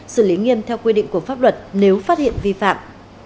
xử lý nghiêm theo quy định của pháp luật nếu phát hiện vi phạm